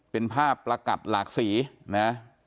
เป็นภาพประกัดหลากสีนะ